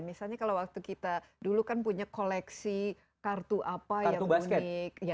misalnya kalau waktu kita dulu kan punya koleksi kartu apa yang unik